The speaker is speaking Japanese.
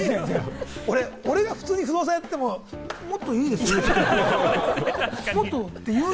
俺が普通に不動産屋やってても、もっと言っていいですよっていう。